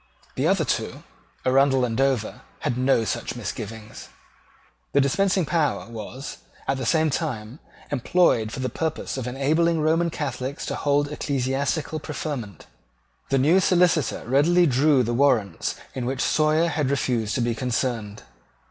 The other two, Arundell and Dover, had no such misgivings. The dispensing power was, at the same time, employed for the purpose of enabling Roman Catholics to hold ecclesiastical preferment. The new Solicitor readily drew the warrants in which Sawyer had refused to be concerned.